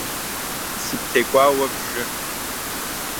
Сыптекӏуауэ бжы!